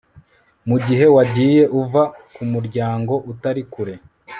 Mugihe wagiye uva kumuryango utari kure